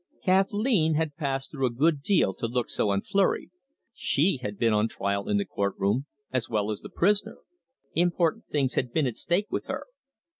Kathleen had passed through a good deal to look so unflurried. She had been on trial in the court room as well as the prisoner. Important things had been at stake with her.